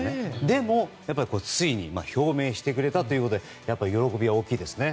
でも、やっぱりついに表明してくれたということで喜びが大きいですね。